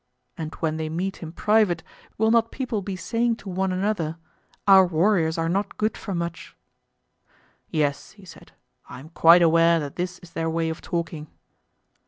And when they meet in private will not people be saying to one another 'Our warriors are not good for much'? Yes, he said, I am quite aware that this is their way of talking.